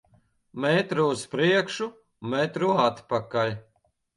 Metru uz priekšu, metru atpakaļ.